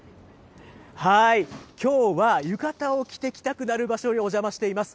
きょうは浴衣を着てきたくなる場所にお邪魔しています。